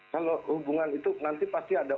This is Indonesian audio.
kalau hubungan itu nanti pasti ada